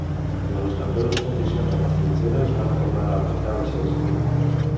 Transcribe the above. Les espantoses condicions en les trinxeres van tornar a afectar la seva salut.